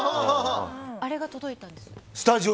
あれが届いたんです。